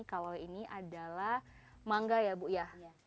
kalau ini adalah mangga ya bu ya